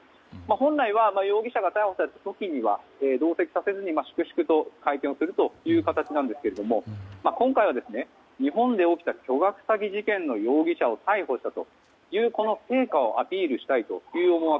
本来は容疑者が逮捕された時には同席させずに粛々と会見をするという形なんですが今回は日本で起きた巨額詐欺事件の容疑者を逮捕したというこの成果をアピールしたい思惑